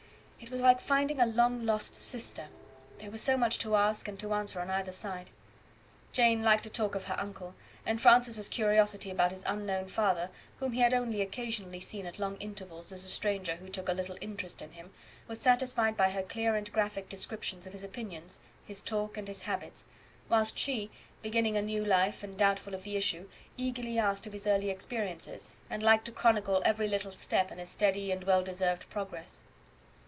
It was like finding a long lost sister; there was so much to ask and to answer on either side. Jane liked to talk of her uncle; and Francis' curiosity about his unknown father, whom he had only occasionally seen at long intervals as a stranger who took a little interest in him, was satisfied by her clear and graphic descriptions of his opinions, his talk, and his habits; whilst she, beginning a new life, and doubtful of the issue, eagerly asked of his early experiences, and liked to chronicle every little step in a steady and well deserved progress.